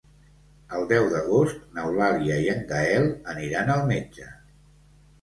El deu d'agost n'Eulàlia i en Gaël aniran al metge.